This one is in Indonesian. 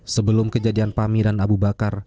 sebelum kejadian pami dan abu bakar